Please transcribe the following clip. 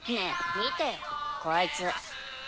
見てよこいつ。